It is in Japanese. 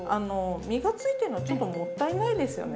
身がついてるのちょっともったいないですよね。